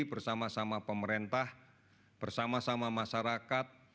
bersama sama pemerintah bersama sama masyarakat